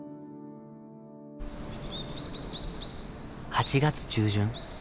８月中旬。